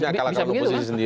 bisa begitu kan